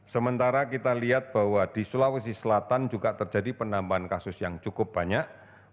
sementara kita lihat bahwa di sulawesi selatan juga terjadi penambahan kasus yang cukup banyak